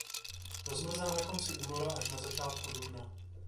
Rozmrzá na konci února až na začátku dubna.